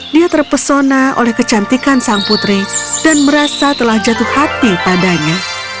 dia terpesona oleh kecantikan sang putri dan merasa telah jatuh hati padanya